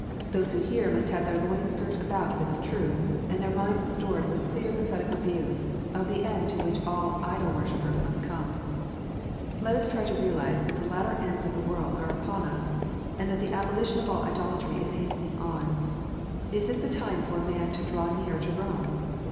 Those who hear must have their loins girt about with truth, and their minds stored with clear prophetical views of the end to which all idol worshippers must come. Let us all try to realize that the latter ends of the world are upon us, and that the abolition of all idolatry is hastening on. Is this a time for a man to draw nearer to Eome